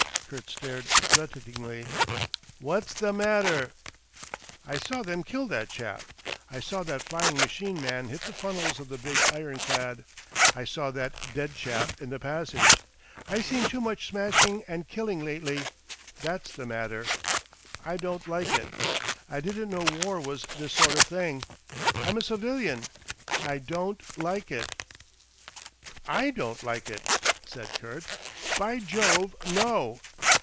Kurt stared threateningly. "What's the matter?" "I saw them kill that chap. I saw that flying machine man hit the funnels of the big ironclad. I saw that dead chap in the passage. I seen too much smashing and killing lately. That's the matter. I don't like it. I didn't know war was this sort of thing. I'm a civilian. I don't like it." "I don't like it," said Kurt. "By Jove, no!"